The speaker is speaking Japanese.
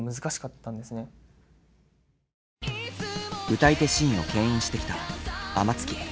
歌い手シーンを牽引してきた天月−あまつき−。